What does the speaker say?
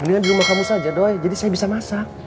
mendingan di rumah kamu saja doy jadi saya bisa masak